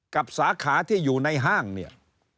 สาขาที่อยู่ในห้างเนี่ย